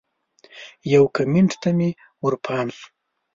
یو کمنټ ته مې ورپام شو